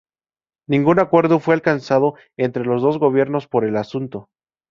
Ningún acuerdo fue alcanzado entre los dos gobiernos por el asunto.